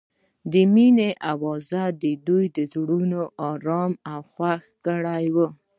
د مینه اواز د دوی زړونه ارامه او خوښ کړل.